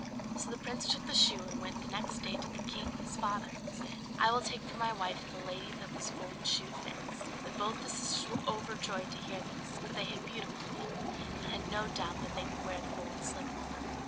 "] So the prince took the shoe, and went the next day to the king his father, and said, "I will take for my wife the lady that this golden shoe fits." Then both the sisters were overjoyed to hear this; for they had beautiful feet, and had no doubt that they could wear the golden slipper.